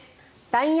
ＬＩＮＥ